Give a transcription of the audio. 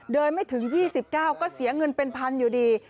ไม่ถึง๒๙ก็เสียเงินเป็นพันอยู่ดี